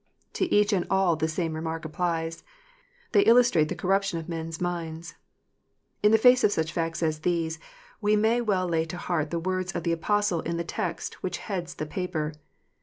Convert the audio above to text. To each and all the same remark applies. They illustrate the " corruption of men s minds." In the face of such facts as these, we may well lay to heart the words of the Apostle in the text which heads the paper.